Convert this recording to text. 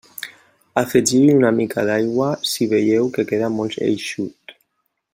Afegiu-hi una mica d'aigua si veieu que queda molt eixut.